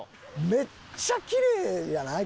めっちゃきれいやない？